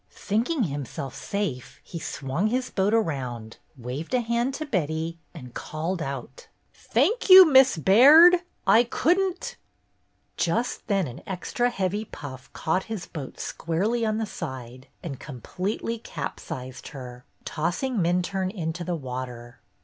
Thinking himself safe, he swung his boat around, waved a hand to Betty, and called out: "Thank you. Miss Baird ! I could n't —" Just then an extra heavy puff caught his boat squarely on the side and completely capsized her, tossing Minturne into the water.